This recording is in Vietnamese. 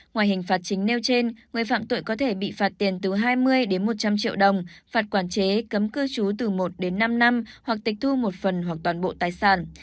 ngoài hình phạt chính nêu trên người phạm tội có thể bị phạt tiền từ hai mươi đến một trăm linh triệu đồng phạt quản chế cấm cư trú từ một đến năm năm hoặc tịch thu một phần hoặc toàn bộ tài sản